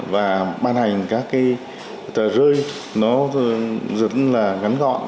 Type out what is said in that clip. và ban hành các cái tờ rơi nó rất là ngắn gọn